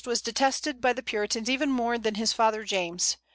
was detested by the Puritans even more than his father James.